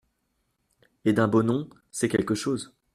Et d’un beau nom ! c’est quelque chose !